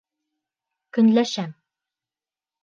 Көнләшәм.